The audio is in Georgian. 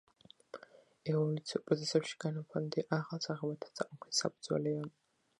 ევოლუციურ პროცესში გენოფონდი ახალ სახეობათა წარმოქმნის საფუძველია.